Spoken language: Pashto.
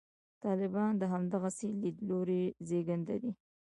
طالبان د همدغسې لیدلوري زېږنده دي.